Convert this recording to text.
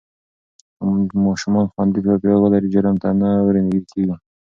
که ماشومان خوندي چاپېریال ولري، جرم ته نه ورنږدې کېږي.